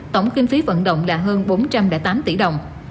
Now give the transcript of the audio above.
tổng kinh phí vận động là hơn bốn trăm linh tám tỷ đồng